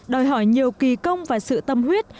đòi hỏi nhiều kỳ công và sự tâm huyết